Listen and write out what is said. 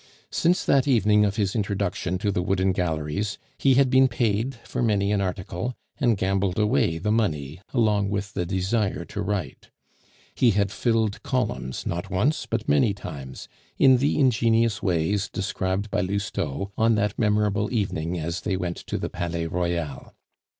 Since that evening of his introduction to the Wooden Galleries, he had been paid for many an article, and gambled away the money along with the desire to write. He had filled columns, not once but many times, in the ingenious ways described by Lousteau on that memorable evening as they went to the Palais Royal.